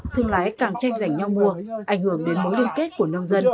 thương lái càng tranh giành nhau mua ảnh hưởng đến mối liên kết của nông dân